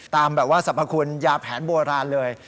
ตามแบบว่าสรรพคุณยาแผนโบราณเลย